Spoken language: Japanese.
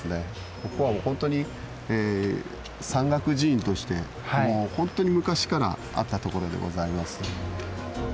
ここはほんとに山岳寺院としてほんとに昔からあったところでございます。